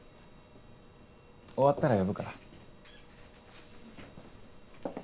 終わったら呼ぶから。